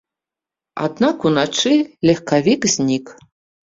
Аднак уначы легкавік знік.